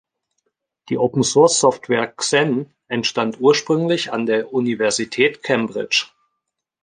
Die Open-Source-Software Xen entstand ursprünglich an der Universität Cambridge.